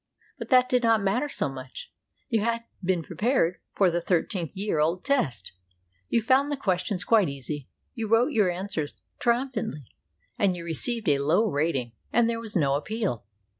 But that did not matter so much ; you had been prepared for the thir teen year old test. You found the questions quite easy. You wrote your answers triumphantly — and you re ceived a low rating, and there was no appeal.